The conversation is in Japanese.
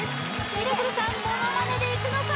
ミラクルさんモノマネでいくのか？